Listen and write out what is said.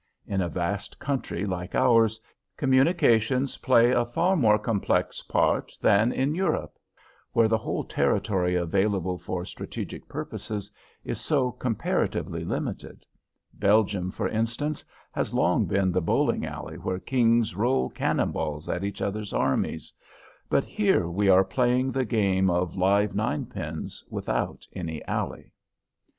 In a vast country like ours, communications play a far more complex part than in Europe, where the whole territory available for strategic purposes is so comparatively limited. Belgium, for instance, has long been the bowling alley where kings roll cannon balls at each other's armies; but here we are playing the game of live ninepins without any alley.